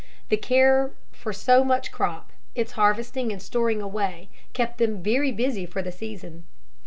The care for so much crop, its harvesting and storing away, kept them very busy for the season.